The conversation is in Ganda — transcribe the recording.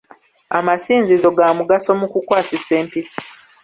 Amasinzizo ga mugaso mu kukwasisa empisa.